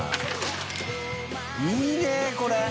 いいこれ。